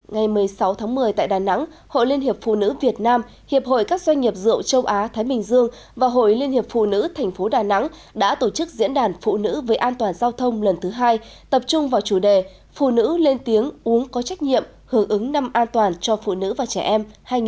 ngày một mươi sáu tháng một mươi tại đà nẵng hội liên hiệp phụ nữ việt nam hiệp hội các doanh nghiệp rượu châu á thái bình dương và hội liên hiệp phụ nữ tp đà nẵng đã tổ chức diễn đàn phụ nữ về an toàn giao thông lần thứ hai tập trung vào chủ đề phụ nữ lên tiếng uống có trách nhiệm hưởng ứng năm an toàn cho phụ nữ và trẻ em hai nghìn hai mươi